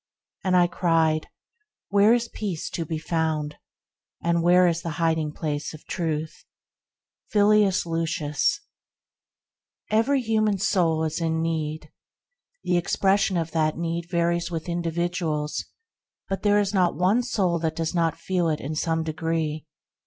And I cried, Where is Peace to be found! And where is the hiding place of Truth! Filius Lucis. TT^VERY human soul is in need. The *^* expression of that need varies with in dividuals, but there is not one soul that does not feel it in some degree.